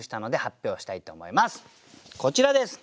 こちらです。